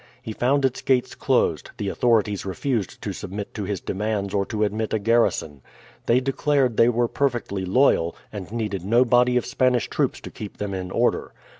He found its gates closed; the authorities refused to submit to his demands or to admit a garrison. They declared they were perfectly loyal, and needed no body of Spanish troops to keep them in order.